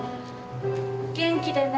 元気でね。